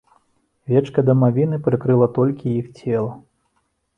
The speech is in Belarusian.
Вечка дамавіны прыкрыла толькі іх цела.